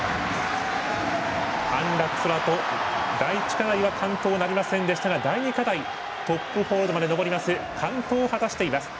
安楽宙斗、第１課題は完登なりませんでしたが第２課題、トップホールドまで登ります、完登を果たしています。